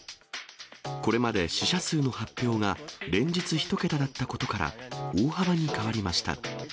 これまで死者数の発表が連日１桁だったことから、大幅に変わりました。